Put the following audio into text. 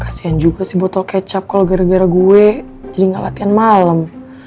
kasian juga si botol kecap kalo gara gara gue jadi gak latihan malem